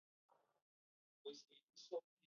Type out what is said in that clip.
هغه هلته ماشومانو ته درس ورکاوه.